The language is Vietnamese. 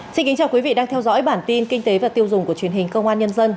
chào mừng quý vị đến với bản tin kinh tế và tiêu dùng của truyền hình công an nhân dân